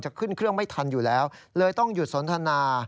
ขึ้นเครื่องไม่ทันอยู่แล้วเลยต้องหยุดสนทนา